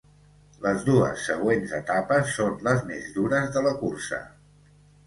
Les dues següents etapes són les més dures de la cursa.